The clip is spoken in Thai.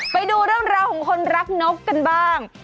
ไปดูเรื่องราวของคนรักนกกันบ้าง